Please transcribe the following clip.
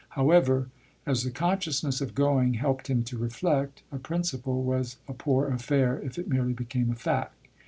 However, as the consciousness of going helped him to reflect, a principle was a poor affair if it merely became a fact.